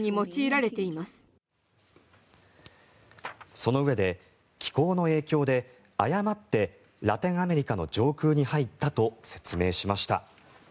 そのうえで、気候の影響で誤ってラテンアメリカの上空に入ったと説明しました。